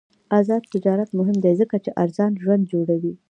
آزاد تجارت مهم دی ځکه چې ارزان ژوند جوړوي.